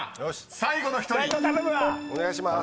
［最後の１人］お願いします。